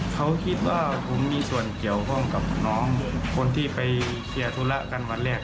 เขาคิดว่าผมมีส่วนเกี่ยวข้องกับน้องคนที่ไปเคลียร์ธุระกันวันแรก